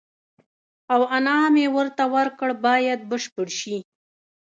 او انعام یې ورته ورکړ باید بشپړ شي.